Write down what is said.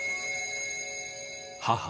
「母」